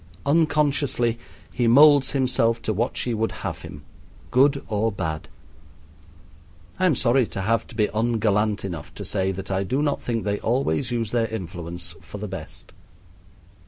Unconsciously he molds himself to what she would have him, good or bad. I am sorry to have to be ungallant enough to say that I do not think they always use their influence for the best.